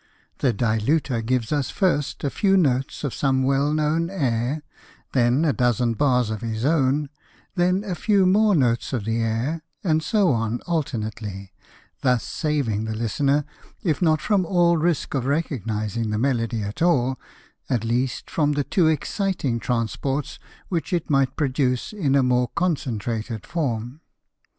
The Diluter gives us first a few notes of some well known Air, then a dozen bars of his own, then a few more notes of the Air, and so on alternately: thus saving the listener, if not from all risk of recognising the melody at all, at least from the too exciting transports which it might produce in a more concentrated form.